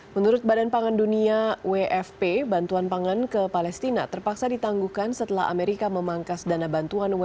menurut badan pangan dunia wfp bantuan pangan ke palestina terpaksa ditangguhkan setelah amerika memangkas dana bantuan wni